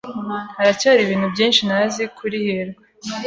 Haracyari ibintu byinshi ntazi kuri hirwa.